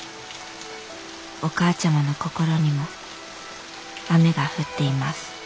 お母ちゃまの心にも雨が降っています。